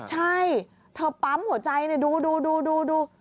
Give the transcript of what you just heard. ใช่เธอปั๊มหัวใจเนี่ยดู